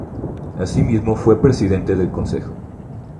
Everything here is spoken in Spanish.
Asimismo fue Presidente del Congreso.